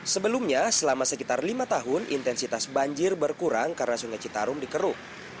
sebelumnya selama sekitar lima tahun intensitas banjir berkurang karena sungai citarum dikeruk